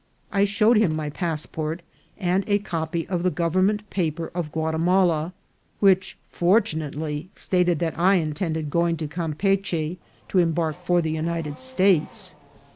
I showed him my passport, and a copy of the government paper of Guatimala, which fortunately stated that I intended going to Campeachy to embark for the United States.